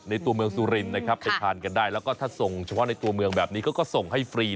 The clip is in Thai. ตัวเมืองสุรินนะครับไปทานกันได้แล้วก็ถ้าส่งเฉพาะในตัวเมืองแบบนี้เขาก็ส่งให้ฟรี